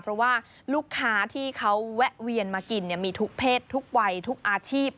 เพราะว่าลูกค้าที่เขาแวะเวียนมากินมีทุกเพศทุกวัยทุกอาชีพ